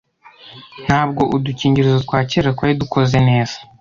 Ntabwo udukingirizo twa kera twari dukoze neza